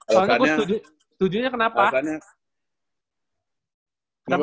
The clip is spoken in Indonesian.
soalnya gue setujunya kenapa